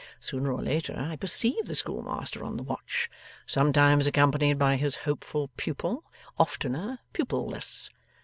Sooner or later, I perceive the schoolmaster on the watch; sometimes accompanied by his hopeful pupil; oftener, pupil less.